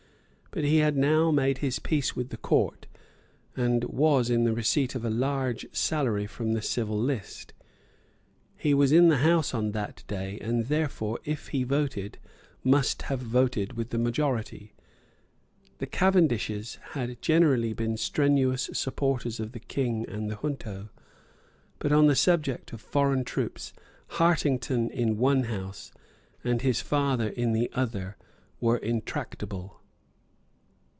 But he had now made his peace with the Court, and was in the receipt of a large salary from the civil list. He was in the House on that day; and therefore, if he voted, must have voted with the majority. The Cavendishes had generally been strenuous supporters of the King and the junto. But on the subject of the foreign troops Hartington in one House and his father in the other were intractable.